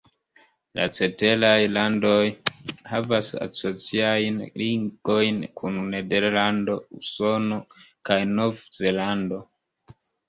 La ceteraj landoj havas asociajn ligojn kun Nederlando, Usono kaj Nov-Zelando.